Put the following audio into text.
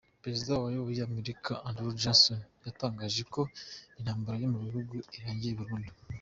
Perezida wayoboraga Amerika Andrew Johnson yatangaje ko intambara yo mu gihugu irangiye burundu.